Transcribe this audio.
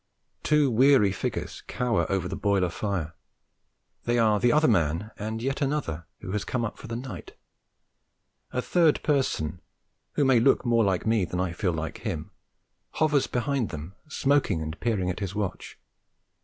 Two weary figures cower over the boiler fire; they are the other man and yet another who has come up for the night. A third person, who may look more like me than I feel like him, hovers behind them, smoking and peering at his watch.